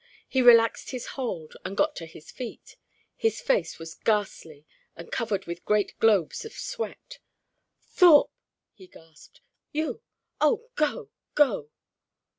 He relaxed his hold and got to his feet. His face was ghastly, and covered with great globes of sweat. "Thorpe!" he gasped. "You! Oh, go! go!"